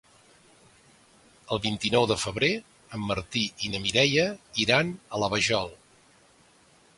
El vint-i-nou de febrer en Martí i na Mireia iran a la Vajol.